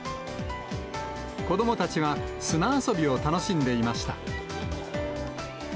子どもたちは砂遊びを楽しんでいました。